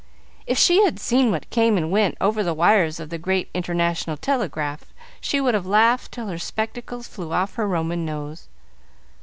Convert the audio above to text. If she had seen what came and went over the wires of the "Great International Telegraph," she would have laughed till her spectacles flew off her Roman nose.